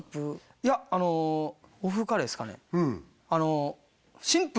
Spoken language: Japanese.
いやあの欧風カレーですかね